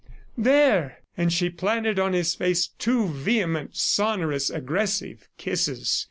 ... There!" And she planted on his face two vehement, sonorous, aggressive kisses.